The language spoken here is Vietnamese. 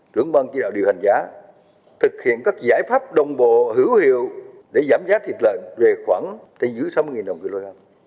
trưởng băng kỳ đạo điều hành giá thực hiện các giải pháp đồng bộ hữu hiệu để giảm giá thịt lợn về khoảng tầy dưới sáu mươi đồng kg